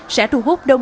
sở công thương tp hcm